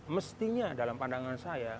mestinya dalam pandangan saya